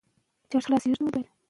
د اسلام اساس او بنسټونه ثابت دي.